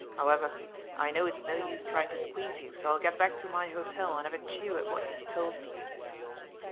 However, I know it's no use trying to squeeze you, so I'll get back to my hotel and have a chew at what you've told me."